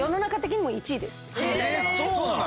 えそうなの？